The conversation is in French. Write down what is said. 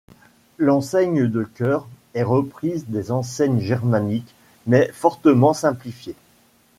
L'enseigne de cœur est reprise des enseignes germaniques, mais fortement simplifiée.